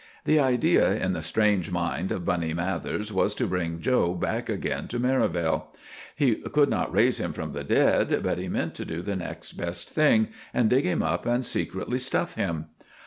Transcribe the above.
The idea in the strange mind of Bunny Mathers was to bring 'Joe' back again to Merivale. He could not raise him from the dead, but he meant to do the next best thing, and dig him up and secretly stuff him.